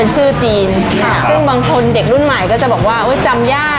ซึ่งบางคนเด็กรุ่นใหม่ก็จะบอกว่าอุ้ยจำยาก